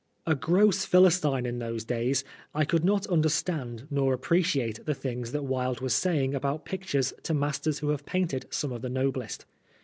A gross Philistine in those days, I could not understand nor appreciate the things that Wilde was saying about pictures to masters who have painted some of the noblest.